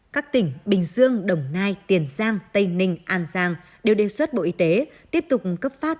các tỉnh bình dương đồng nai tiền giang tây ninh an giang đều đề xuất bộ y tế tiếp tục cấp phát